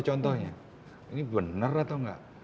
contohnya ini benar atau enggak